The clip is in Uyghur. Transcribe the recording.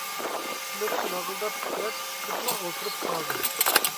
پۇتلىرىم لاغىلداپ تىترەپ، سۇپىدىلا ئولتۇرۇپ قالدىم.